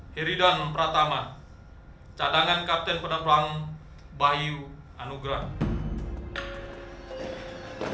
heridan pratama cadangan kapten penerbang bayu anugrah